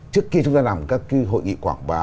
trước khi chúng ta làm các hội nghị quảng bá